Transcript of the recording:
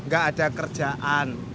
gak ada kerjaan